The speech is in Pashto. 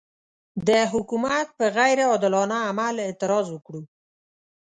د حکومت پر غیر عادلانه عمل اعتراض وکړو.